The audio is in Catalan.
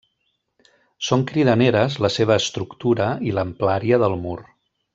Són cridaneres la seva estructura i l'amplària del mur.